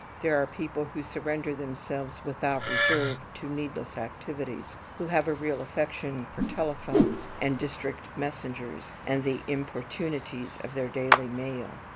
There are people who surrender themselves without reserve to needless activities, who have a real affection for telephones, and district messengers, and the importunities of their daily mail.